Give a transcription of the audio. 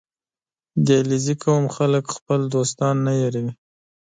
• د علیزي قوم خلک خپل دوستان نه هېروي.